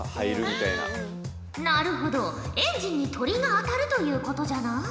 なるほどエンジンに鳥が当たるということじゃな。